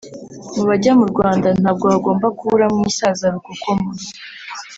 Mubajya mu Rwanda ntabwo hagomba kuburamo umusaza Rukokoma